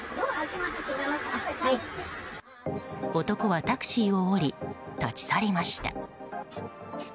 男はタクシーを降り立ち去りました。